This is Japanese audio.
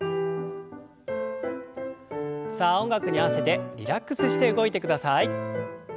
さあ音楽に合わせてリラックスして動いてください。